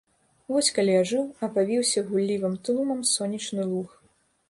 Вось калі ажыў, апавіўся гуллівым тлумам сонечны луг.